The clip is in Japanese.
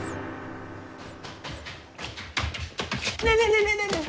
ねえねえねえねえ！